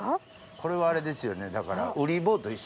これはあれですよねだから。